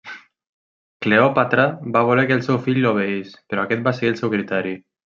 Cleòpatra va voler que el seu fill l'obeís però aquest va seguir el seu criteri.